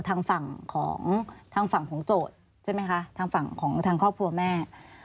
ทางฝั่งของโจ๊ดทำของครอบครัวแม่